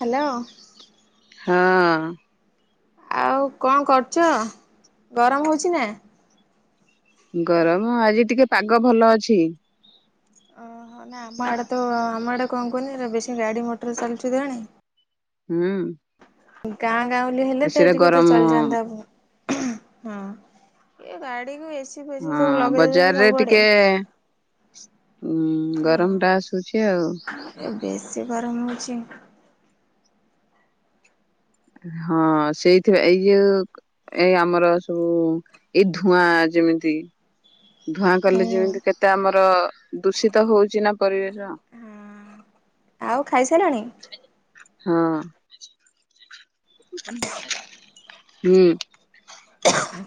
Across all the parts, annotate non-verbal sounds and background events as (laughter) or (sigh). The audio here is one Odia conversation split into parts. ହ୍ୟାଲୋ ହଁ। ଆଉ କଣ କରୁଛ ଗରମ ହଉଚି ନା। ଗରମ ଆଜି ଟିକେ ପାଗ ଭଲ ଅଛି। ଓହୋ ନାଇଁ ଆମ ଆଡ଼େ ତ ଆମ ଆଡ଼େ କଣ କୁହନି ବେଶୀ ଗାଡ଼ି ମଟର ଚାଲୁଚି ତ ଏଣେ ହୁଁ। ଗାଁ ଗାଉଁଲି ହେଲେ ତ ଟିକେ ଏସିରେ ଟିକେ ଗରମ ଚଳିଯାନ୍ତା ହଁ ଏ ଗାଡ଼ିକୁ ହଁ ବଜାରରେ ଟିକେ ଉ ହଁ। ଗରମଟା ଆସୁଛି ଆଉ। ଏ ବେଶୀ ଗରମ ହେଉଛି। ହଁ ସେଇଥି ଏଇ ଯୋଉ ଏ ଆମର ସବୁ ଏଇ ଧୂଆଁ ଯେମିତି ଧୂଆଁ ହୁଁ କଲେ ହଁ। ଯେମିତି କେତେ ଆମର ଦୂଷିତ ହଉଛି ନା ପରିବେଶ। ଆଉ ଖାଇସାରିଲଣି ହଁ। ହୁଁ। ଖାଁ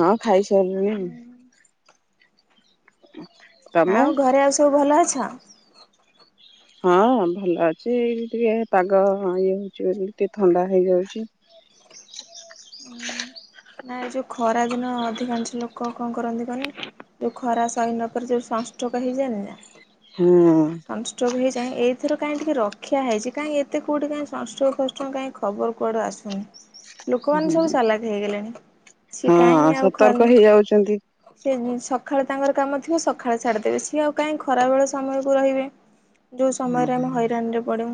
ହଁ। ଖାଇସାରିଲି ତମେ? ଆଉ ଘରେ ଆଉ ସବୁ ଭଲ ଅଛ? ହଁ ଭଲ ଅଛି। ଏଇ ଟିକେ ପାଗ ଇଏ ହଉଛି ଟିକେ ଥଣ୍ଡା ହେଇଯାଉଛି। ନାଇ ଯୋଉ ଖରା ଦିନ ଅଧିକାଂଶ ଲୋକ କଣ କରନ୍ତି କହନି ଯୋଉ ଖରା ସାହି ନ ପାରି ଯୋଉ ଷ୍ଟକ ହେଇଯାଏନି ନା। ହେଇଯାଉଛି। ସଂସ୍ତ୍ରକ୍ ହେଇଯାଁ ଏଇ ଏର କାହିଁ ଟିକେ ରକ୍ଷା ହେଇଛି କାହିଁ ଏତେ କୋଉଠି କାଁ ସଂଷ୍ଟ ଖଷ୍ଟ କାଇଁ ଖବର କୁଆଡୁ ଆସୁନି। ଲୋକମାନେ ହଁ ସବୁ ସାଲାକ୍ ହେଇଗଲେଣି। ସେ ହଁ କାହିଁଁ ଆଉ ଖ ସତର୍କ ହେଇଯାଉଛନ୍ତି ସେ ସକାଳେ ତାଙ୍କର କାମ ଥିବ ସକାଳେ ଛାଡିଦେବେ ସିଏ ଆଉ କାହିଁ ଖରା ବଳ ସମୟକୁ ରହିବେ। ଯଉ ସମୟରେ ଆମେ ହଁ ହଇରାଣ ରେ ପଢୁ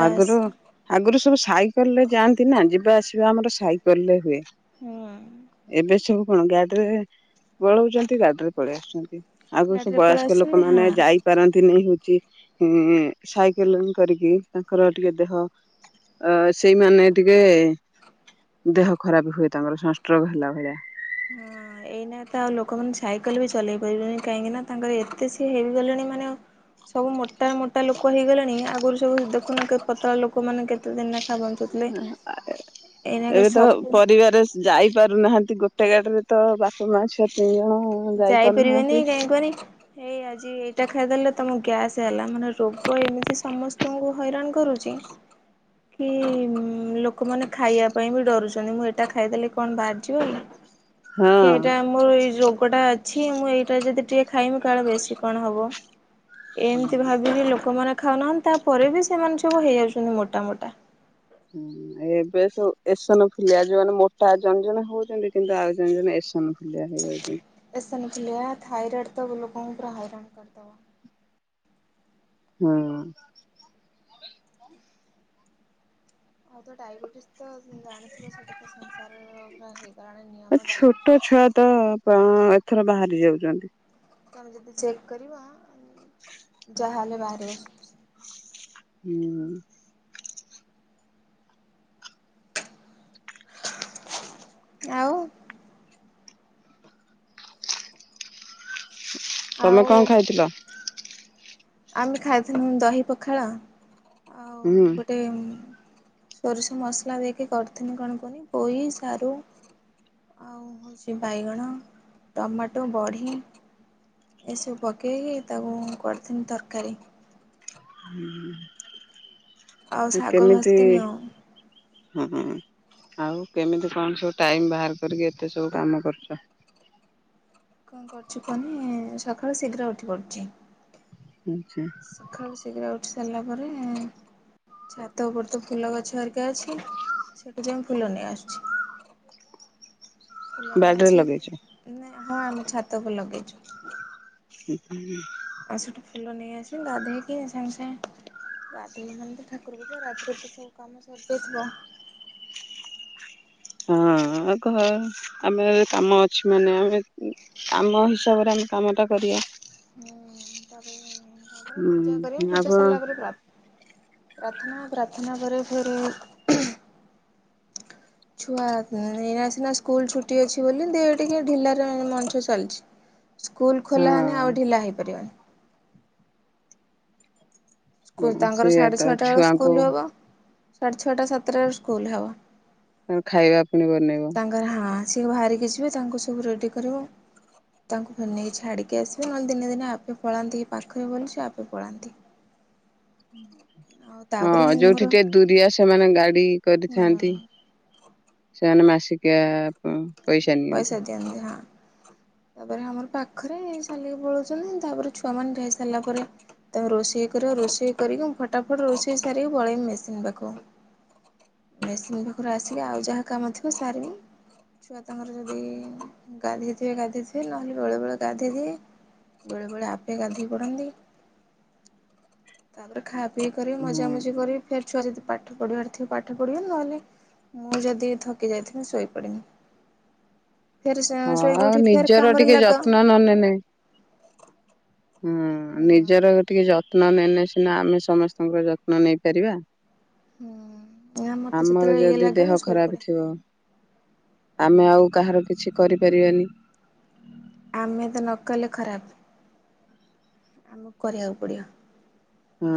ଆଗରୁ ଆଗରୁ ସବୁ ସାଇକେଲରେ ଯାଆନ୍ତି ନା ଯିବା ଆସିବା ଆମର ସାଇକେଲ ରେ ହୁଏ। ହୁଁ। ଏବେ ସବୁ କଣ ଗାଡିରେ ପଳାଉଛନ୍ତି ଗାଡିରେ ପଳେଇ ଆସୁଛନ୍ତି। ଆଗରୁ ସବୁ ଗାଡ଼ିରେ ପଳେଇ ବୟସ୍କ ଆସୁଛନ୍ତି ଲୋକମାନୋନେ ହଁ ଯାଇପାରନ୍ତିନି। ହଉଛି ସାଇକେଲ କରିକି ତାଙ୍କର ଟିକେ ଦେହ ଅ ସେଇମାନେ ଟିକେ ଦେହ ଖରାପ ହୁଏ ତାଙ୍କର ସଂଷ୍ଟୋଗ ହେଲା ଭଳିଆ ହଁ ଏଇନା ତ ଆଉ ଲୋକମାନୋନ ସାଇକେଲ ବି ଚଲେଇ ପାରିବେନି କାହିଁକି ନା ତାଙ୍କର ଏତେ ସି ହେଇଗଲେଣି ମାନେ ସବୁ ମୋଟା ମୋଟା ଲୋକ ହେଇଗଲେଣି ଆଗରୁ ସବୁ ଦେଖୁନ କେ ପତଳା ଲୋକ ମାନେ କେତେ ଦିନ ବଞ୍ଚୁଥିଲେ। ଏଇନାକେ ଏବେ ତ ସବୁ ପରିବାର ଯାଇପାରୁନାହାନ୍ତି ଗୋଟେ ଗୋଟେ ଗାଟରେ ତ ବାପ ମାଆ ଛୁଆ ଜଣ ଯାଇ ଯାଇପାରିବନି ପାରୁନାହାନ୍ତି କାହିଁ କୁହନି ଏଇ ଆଜି ଏଇଟା ଖାଇଦେଲେ ତମ ଗ୍ୟାସ୍ ହେଲା ମାନେ ରୋଗ ଏମିତି ସମସ୍ତଙ୍କୁ ହଇରାଣ କରୁଛି କି ଲୋକମାନେ ଖାଇବା ପାଇଁ ବି ଡରୁଛନ୍ତି ମୁଁ ଏଟା ଖାଇଦେଲି କଣ ବାହାରିଯିବକି। ହେଲା ସେଇଟା ହଁ। ଆମର ଏଇ ପଟା ଅଛି ମୁଁ ଏଇଟା ଯଦି ଟିକେ ଖାଇମି କାଳେ ବେଶୀ କଣ ହବ। ଏମତି ଭାବି ବି ଲୋକମାନେ ଖାଉନାହାନ୍ତି ତାପରେ ବି ସେମାନେ ସବୁ ହେଇଯାଉଚନ୍ତି ମୋଟ ମୋଟା। ହୁଁ ଏବେ ସବୁ ଏସନଫିଲିଆ ଯୋଉମାନେ ମୋଟା ଜଣେ ଜଣେ ହୋଉଚନ୍ତି କିନ୍ତୁ ଆଉ ଜଣେ ଜଣେ ଏସନଫ୍ ଲିଆ ହେଇ ଯାଉଛନ୍ତି। ଫୁଲିଆ ଥାଇରଏଡ଼ ତ ଲୋକଙ୍କୁ ପୁରା ହଇରାଣ କରିଦବ। ହୁଁ। ଆଉ ତ ଡାବେଟିସ୍ ତ ଜାଣିଥିବା ସେଟା ତ ସଂସାରର ପୁରା ହେଇଗଲାଣି ନିୟମ ଛୋଟ ଡାଇବେଟିସ୍। ଛୁଆ ତ ଏଥର ବାହାରି ଯାଉଛନ୍ତି। ତମେ ଯଦି ଚେକ୍ କରିବ ଯାହା ହେଲେ ବାହାର ତମ ସ୍ବ ସ୍ ହୁଁ। ଆଉ ତମେ ଆଉ କଁ ଖାଇଥିଲ? ଆମେ ଖାଇଥିନୁ ଦହି ପଖାଳ ଆଉ ହୁଁ ଗୋଟେ ଉଁ ଷୋରିଷ ମସଲା ଦେଇକି କରିଥିନି କଣ କୁହନି ପୋଇ ସାରୁ ଆଉ ହୋଉଚି ବାଇଗଣ ଟମାଟୋ ବଢ଼ି। ଏସବୁ ପକେଇକି ତାକୁ କରିଥିନି ତରକାରୀ। ହୁଁ। ଆଉ ଶାଗ ଭାଜିତିନି ଆଉ। ହୁଁ ହୁଁ ଆଉ କେମିତି କଣ ସବୁ ଟାଇମ ବାହାର କରିକି ଏତେ ସବୁ କାମ କରୁଚ? କଁ କରୁଚି କୁହନି ଏଁ ସକାଳୁ ଶୀଘ୍ର ଉଠି ପଡ଼ୁଚି। ଆଛା ଶଖାଳୁ ଶୀଘ୍ର ଉ ଉଠି ସାରିଲା ପରେ ଛାତ ଉପରେ ତ ଫୁଲ ଗଛ ହରିକା ଅଛି। ସେଠୁ ଯାଇଁ ଫୁଲ ନେଇ ଆସୁଚି। ଫୁଲନେଇ ବାଡିରେ ଆସି ଲଗେଇଛ ଉଁନେ ହଁ ଆମେ ଛାତ ଓପରେ ଲଗେଇଚୁ। ହୁଁ ଉଁ ହୁଁ। ଆଉ ସେଠୁ ଫୁଲ ନେଇ ଆସି ଗାଧେଇକି ସାଙ୍ଗେ ସାଙ୍ଗେ ଗାଧେଇକି ଗନେ ତ ଠାକୁର ପୂଜା। ରାତିରେ ତ ସବୁ କାମ ସରିଯାଇଥିବ। ହଁ ଆ ଘ ଆମେ କାମ ଅଛି ମାନେ ଆମେ କାମ ହିସାବରେ ଆମେ କାମଟା କରିଆ। ହୁଁ ତାପରେ ଅ ଧର ପୂଜା କରିମି ହୁଁ ପୂଜା ଆପଣ ସାରିଲା ପରେ ପ୍ରା ପ୍ରାର୍ଥନା ପ୍ରାର୍ଥନା ପରେ ଫେରେ ଛୁଆ ଉଁ ଏନା ସିନା ସ୍କୁଲ ଛୁଟି ଅଛି ବୋଲି ଦେ ଟିକେ ଢିଲାରେ ମଣିଷ ଚାଲିଚି। ସ୍କୁଲ ହଁ ଖୋଲା ହେନେ ଆଉ ଢିଲା ହେଇପାରିବନି। ହଁ ସ୍କୁଲ ତାଙ୍କର ସେଇଆ ସାଢେ ତ ଛଅଟା ଅଳୁ ଛୁଆଙ୍କୁ ସ୍କୁଲ ହବ। ସାଢେ ଛଅଟା ସାତଟାରେ ସ୍କୁଲ ହବ। ତାଙ୍କ ଖାଇବା ପୁଣି ବନେଇବ। ହଁ ସିଏ ବାହାରିକି ଯିବେ ତାଙ୍କୁ ସବୁ ରେଡ଼ି କରିମୁ ତାଙ୍କୁ ଫେର ନେଇ ଛାଡ଼ିକି ଆସିମୁ ନହେଲେ ଦିନେ ଦିନେ ଆପେ ପଳାନ୍ତି ପାଖରେ ବୋଲି ସିଏ ଆପେ ପଳାନ୍ତି। ହୁଁ। ଆଉ ତାପରେ ହଁ ମୁଁ ଯୋଉଠି ମୋର ଟିକେ ଦୂରିଆ ସେମାନେ ଗାଡି କରିଥାନ୍ତି। ସୋମାନେ ମାସିକିଆ ପଇସା ଦିଅନ୍ତି ହଁ ତାପରେ ଆମର ପାଖ ପାଖରେ ସାରିକି ପଳଉଛନ୍ତି ତାପରେ ଛୁଆମାନେଇ ସାରିଲା ପରେ ତାମେ ରୋଷେଇ କର ରୋଷେଇ କରିକିଁ ଫଟାଫଟ ରୋଷେଇ ସାରିକି ବଳେଇବି ମେସିନ୍ ପାଖକୁ ମେସିନ୍ ପାଖରୁ ଆସିକି ଆଉ ଯାହା କାମ ଥିବ ସାରମି ଛୁଆ ତାଙ୍କର ଯଦି ଗାଧୋଇଥିବେ ଗାଧୋଇଥିବେ ନହେଲେ ବେଳେ ବେଳେ ଗାଧୋଇ ଦିଏ ବେଳେ ବେଳେ ଆପେ ଗାଧେଇ ପଡନ୍ତି। ତାପରେ ଖାଇବା ଇଏ କରି ହୁଁ। ମଜାମଜି କରି ଫେର ଛୁଆ ଦ ପାଟି ପାଠ ପଢିବାର ଥିବ ପାଠ ପଢିବ ନହେଲେ ମୁଁ ଯଦି ଥକି ଯାଇଥିବି ଶୋଇପଡିନି ହଁ ଆଉ ନିଜର ଟିକେ ଯତ୍ନ ନନେ ନେ ହୁଁ ନିଜର ଟିକେ ଯତ୍ନ ଯତ୍ନ ନେଲେ ସିନା ଆମେ ସମସ୍ତଙ୍କର ଯତ୍ନ ନେଇପାରିବା ହୁଁ ମତେ ଆମର ଯେତେବେଳେ ଇଏ ଯଦି ଲାଗେ ଦେହ ମୁଁ ଖରାପ ଶୋଇପଡେ ଥିବ ଆମେ ଆଉ କାହାର କିଛି କରିପାରିବାନି ଆମେ ତ ନ କଲେ ଖରାପ ଆମକୁ କରିବାକୁ ପଡିବ ହଁ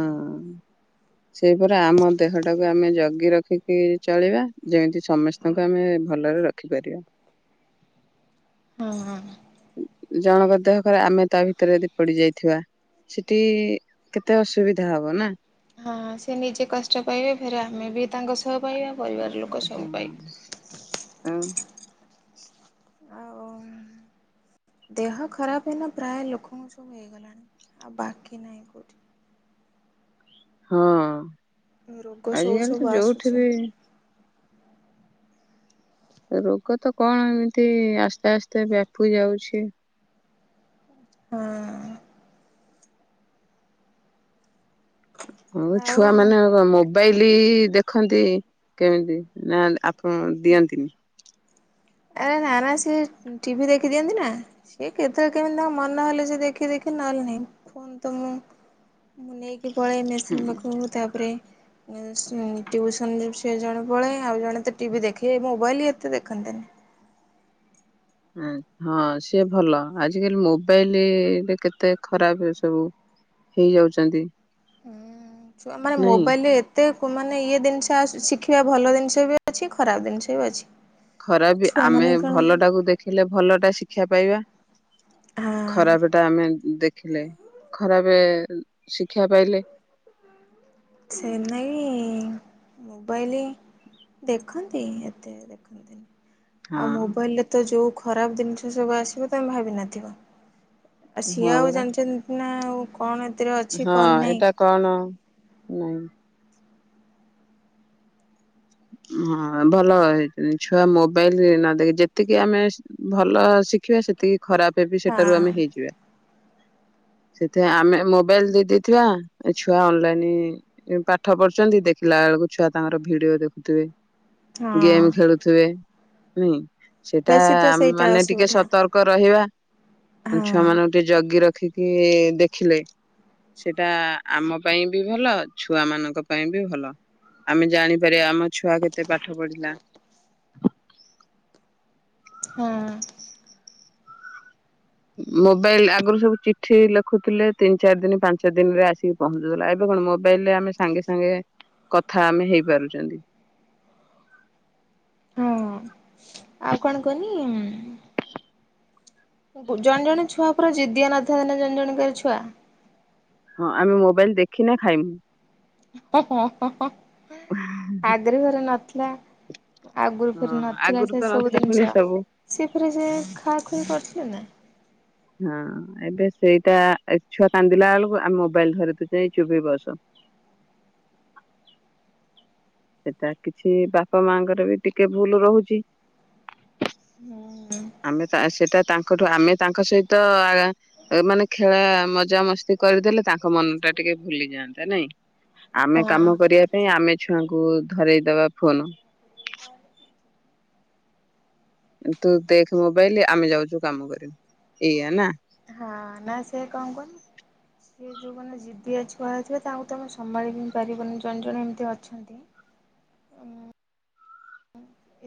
ସେଇପରି ଆମ ଦେହଟାକୁ ଆମେ ଜଗି ରଖିକି ଚଳିବା ଯେମିତି ସମସ୍ତଙ୍କୁ ଆମେ ଭଲରେ ରଖିପାରିବା ହଁ ହଁ ଜଣଙ୍କ ଦେହ ଖରା଼ପ ଆମେ ତା ଭିତରେ ଯଦି ପଡି ଯାଇଥିବା ସେଠି କେତେ ଅସୁବିଧା ହବ ନା ହଁ ସେ ନିଜେ କଷ୍ଟ ପାଇବେ ଫେରେ ଆମେ ବି ତାଙ୍କ ସହ ପାଇବା ପରିବାର ଲୋକ ସବୁ ଆଉ ପାଇବେ ଆଉ ଦେହ ଖରାପ ହେଲା ପ୍ରାୟ ଲୋକଙ୍କୁ ସବୁ ହେଇଗଲାଣି ଆଉ ବାକି ନାହିଁ କଉଠି ହଁ ରୋଗ ସବୁ ଆଜିକାଲି ତ ସବୁ ଯୋଉଠି ଆସୁଛି ବି ରୋଗ ତ କଣ ଏମିତି ଆସ୍ତେ ଆସ୍ତେ ବ୍ୟାପି ଯାଉଛି ହଁ ହଉ ଆଉ ଛୁଆ ମାନେ ଆଉ କଣ ମୋବା ବାଇଲି ଦେଖନ୍ତି କେମିତି ନା ଆପ ତ ଦିଅନ୍ତିନି ଆରେ ନା ନା ସିଏ ଟିଭି ଦେଖି ଦିଅନ୍ତି ନା ସିଏ କେତେବେଳେ କେମିତି ତାଙ୍କ ମନହଲେ ସେ ଦେଖି ଦେଖି ନହେଲେ ନାହିଁ ଫୋନ ତ ମୁଁ ମୁଁ ନେଇକି ପଳେଇ ମେସିନ୍ ହୁଁ। ପାଖକୁ ତାପରେ ଅ ସ ସିଏ ଜଣେ ପଳେ ଆଉ ଜଣେ ତ ଟିଭି ଦେଖେ ମୋବାଇଲ ଏତେ ଦେଖନ୍ତିନି ହଁ ସିଏ ଭଲ ଆଜିକାଲି ମୋବାଇଲରେ କେତେ ଖରାପ ସବୁ ହେଇଯାଉଛନ୍ତି ଛୁଆ ମାନେ ନାଇଁ ମୋବାଇଲରେ ଏତେ ମାନେ ଇଏ ଜିନିଷ ଶିଖିବା ଭଲ ଜିନିଷ ବି ଅଛି ଖରାପ ଜିନିଷ ବି ଅଛି। ଖରାପ ଆମେ ଛୁଆମାନେ କଣ ଭଲ ହଁ ଟାକୁ ଦେଖିଲେ ଭଲ ଟା ଶିକ୍ଷି ଖ୍ୟା ପାଇବା ଖରାପ ଟା ଆମେ ଦେଖ ଦେଖିଲେ ଖରାପ ଶିକ୍ଷା ପାଇଲେ ସେନେଇ ମୋବାଇଲି ଦେଖନ୍ତି ଏତେ ଦେଖନ୍ତିନି ହଁ ଆଉ ମୋବାଇଲ ରେ ତ ଯୋଉ ଖରାପ ଜିନିଷ ସବୁ ଆସିବ ତମେ ଭାବିନଥିବ ଆ ସିଏ ହଁ ଆଉ ପରା। ଜାଣିଛନ୍ତି ନା ଆଉ କଣ ଏଥିରେ ଅଛି ହଁ କଣ ନାହିଁ ଏଇଟା କଣ ନାଇ ହଁ ଭଲ ଛୁଆ ମୋବାଇଲ ନଦେଇ ଯେତିକି ଆମେ ଭଲ ଶିଖିବା ସେତିକି ଖରାପ ହେବିଟ ସେଠାରୁ ଆମେ ହଁ। ହେଇଯିବା ସେଥିପାଇଁ ଆମେ ମୋବାଇଲ ଦେଇ ଦେଇଥିବା ଛୁଆ ଅନଲାଇନ ପାଠ ପଢୁଛନ୍ତି ଦେଖିଲା ବେଳକୁ ଛୁଆ ତାଙ୍କର ଭିଡିଓ ଦେଖୁ ତେବେ ହଁ ଗେମ୍ ଖେଳୁଥିବେ ନାଇଁ ସେଇଟା ବେଶୀ ତ ଆମେ ସେଇଟା ମାନେ ଟିକେ ଅସୁବିଧା। ସତର୍କ ରହିବା ଆଉ ହଁ। ଛୁଆ ମାନଙ୍କୁ ଟିକେ ଜଗି ରଖି କି ଦେଖିଲେ ସେଟା ଆମ ପାଇଁ ବି ଭଲ ଛୁଆ ମାନଙ୍କ ପାଇଁ ବି ଭଲ ଆମେ ଜାଣିପାରିବା ଆମ ଛୁଆ କେତେ ପାଠ ପଢ଼ିଲା ହଁ ମୋବାଇଲ ଆଗରୁ ସବୁ ଚିଠି ଲେଖୁଥିଲେ ତିନି ଚାରି ଦିନ ପାଞ୍ଚ ଦିନରେ ଆସିକି ପହଞ୍ଚୁଥିଲା ଏବେ କଣ ମୋବାଇଲରେ ଆମେ ସାଙ୍ଗେ ସାଙ୍ଗେ କଥା ଆମେ ହେଇପାରୁଛନ୍ତି। ହଁ ଆଉ କଣ କହିଲି ଜଣେ ଜଣେ ଛୁଆ ପୁର ଜିଦିଆ ନଥା ନା ଜଣେ ଜଣଙ୍କର ଛୁଆ। ହଁ ଆମେ ମୋବାଇଲ ଦେଖିନେ ଖାଇମୁ ଓ ହଁ ହଁ ହଁ ହଁ ଆଗରେ ଘରେ ନ ନା ଆଗରୁ ହଁ ଘରେ ନଥିଲେ ଆଗରୁ ସେ ତ ସବୁ ନଥିଲା ପୁଣି ଜିନିଷ ସବୁ ସିଏ ପରେ ସେ ଖା ଖୁଇ କରି ନା ନା ହଁ ଏବେ ସେଇଟା ଛୁଆ କାନ୍ଦିଲା ବେଳକୁ ଆମ ମୋବାଇଲ ଧରେଇ ଦେଉଛେ ଏ ଚୁପ ହେଇ ବସ। ସେଟା କିଛି ବାପା ମାଙ୍କର ବି ଟିକେ ଭୁଲ ରହୁଛି ହୁଁ ଆମେ ସେଟା ତାଙ୍କଠୁ ଆମେ ତା ତାଙ୍କ ସହିତ ଅ ମାନେ ଖେଳା ମଜା ମସ୍ତି କରିଦେଲେ ତାଙ୍କ ମନ ଟା ଟିକେ ଭୁଲି ଯାଆନ୍ତା ନାଇଁ। ଆମେ ହଁ। କାମ କରିବା ପାଇଁ ଆମେ। ଛୁଆ କୁ ଧରାଇଦବା ଫୋନ। ତୁ ଦେଖ ମୋବାଇଲ ଆମେ ଯାଉଛୁ କାମ କରିବୁ ଏଇଆ ନା। ନା ନା ସେ କଣ କହିଲି ସିଏ ଯୋଉମାନେେ ଜିଦିଆ ଛୁଆ ଥିବେ ତାଙ୍କୁ ତ ଆମେ ସମ୍ଭାଳିି ବି ପାରିବନି ଜଣେ ଜଣେ ଏମିତି ଅଛନ୍ତି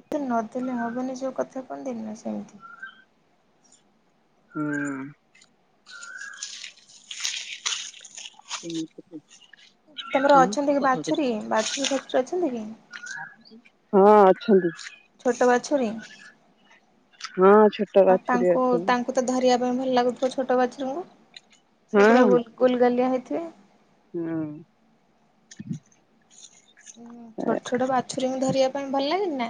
ଏତେ ନଦେଲେ ହବନି ଯୋଉ କଥା କଣ ଦେଲି ନା ସେମିତି। ହୁଁ ସେ (inaudible) ତମର ଅଛନ୍ତି କି ବାଛୁରୀ ବାଛୁରୀ ପାଛୁରୀ ଅଛନ୍ତି କି? ହଁ ଅଛନ୍ତି ଛୋଟ ବାଛୁରୀ ହଁ ଛୋଟ ଆଉ ବାଛୁରୀ ତାଙ୍କୁ ଅଛନ୍ତି ତାଙ୍କୁ ତ ଧରିବା। ଭଲ ଲାଗୁଥିବ ଛୋଟ ବାଛିରୀଙ୍କୁ। ଶିଏ ପୁରା ହଁ ଗୁଲଗାଲିଆ ହେଇଥିଲା। ଥିବେ। ହଁ। ଉଁ ଛୋଟ ଛୋଟ ବାଛୁରୀଙ୍କୁ ଧରିବା ପାଇଁ ଭଲ ଲାଗନି ନା।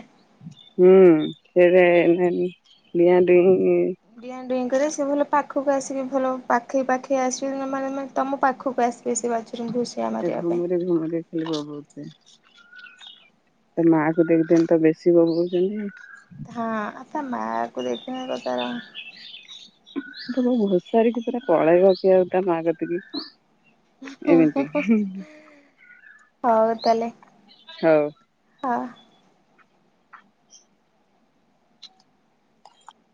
ହୁଁ (unintelligible) ଡିଆଁ ଡୁଇ। ରେ ସେ ଭଲ ପାଖକୁ ଆସିବି ଭଲ ପାଖେଇ ପାଖେଇ ଆସିବି ମାନେ ମାନେ ତମ ପାଖକୁ ଆସିବେ। ସେ ବାଛୁରୀଙ୍କୁ ଘୁଷିଆ ମାରିବା ପାଇଁ। ଘୁମରେ ଘୁମରେ ଖେଳିବ ବହୁତ। ତା ମା କୁ ଦେଖଦିନ ତ ବେଶୀ ମଗଉଛନ୍ତି। ହଁ। ତା ମାକୁ ଦେଖିନେ ତ ତାର ତମକୁ ଘୋଷାରିକି ପୁରା କଳେଇ ରକେଇଆକୁ ତା ମା କତିକି। ଏମିତି। ହଉ ତା ହେଲେ। ହଉ। ହ।